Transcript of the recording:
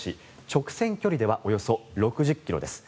直線距離ではおよそ６０ｋｍです。